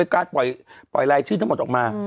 ไม่กล้าปล่อยลายชื่อทั้งหมดออกมา